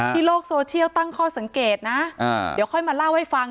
โลกโซเชียลตั้งข้อสังเกตนะเดี๋ยวค่อยมาเล่าให้ฟัง